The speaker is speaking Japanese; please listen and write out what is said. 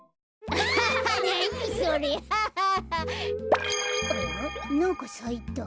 あなんかさいた。